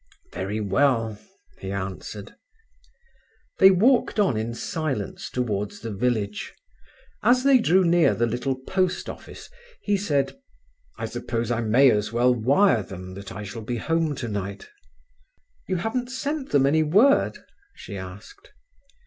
"Very well," he answered. They walked on in silence towards the village. As they drew near the little post office, he said: "I suppose I may as well wire them that I shall be home tonight." "You haven't sent them any word?" she asked.